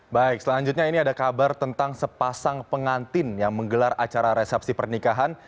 baik selanjutnya ini ada kabar tentang sepasang pengantin yang menggelar acara resepsi pernikahan